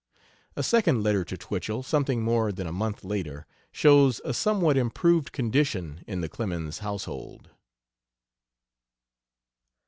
A second letter to Twichell, something more than a month later, shows a somewhat improved condition in the Clemens household.